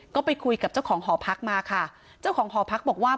ก็ไปคุยกับเจ้าของหอพักมาค่ะเจ้าของหอพักบอกว่า